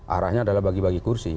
arahnya adalah bagi bagi kursi